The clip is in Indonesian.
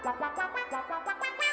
lalu siapa yang menang